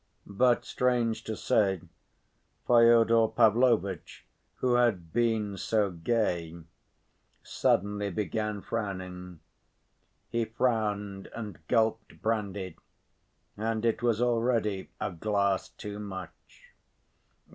But, strange to say, Fyodor Pavlovitch, who had been so gay, suddenly began frowning. He frowned and gulped brandy, and it was already a glass too much.